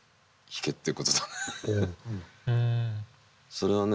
それはね